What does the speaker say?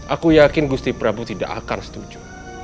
aku yakin gusti prabowo tidak akan setuju